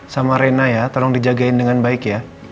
sama rena ya tolong dijagain dengan baik ya